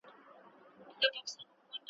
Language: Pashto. نن یې زما په غاړه خون دی نازوه مي `